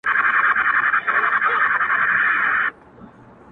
پر اوږو د اوښكو ووته له ښاره-